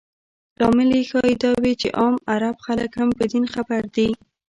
لامل یې ښایي دا وي چې عام عرب خلک هم په دین خبر دي.